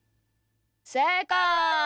せいかい！